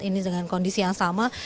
ini dengan kondisi yang sama